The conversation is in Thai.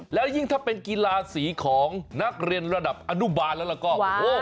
แล้วยิ่งถ้าเป็นกีฬาสีของนักเรียนระดับอนุบาลแล้วก็โอ้โห